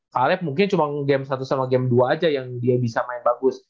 karet mungkin cuma game satu sama game dua aja yang dia bisa main bagus